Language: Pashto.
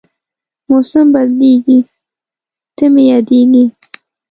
موسم بدلېږي، ته مې یادېږې